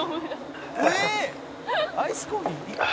「アイスコーヒー一気？」